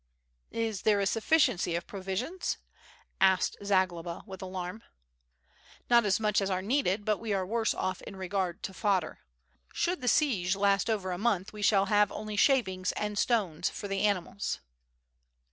"Is there a sufficiency of provisions?^' asked Zagloba with alarm. "Not as much as are needed; but we are worse off in re gard to fodder. Should the siege last over a month we shall have only shavings and stones for the animals."